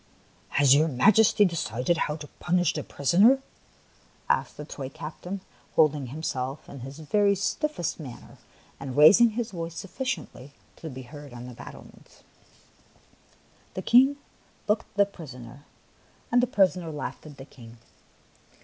" Has your Majesty decided how to punish the prisoner?" asked the toy captain, holding himself in his very stiffest manner and rais ing his voice sufficiently to be heard on the battlements. The King looked at the prisoner, and the prisoner laughed at the King.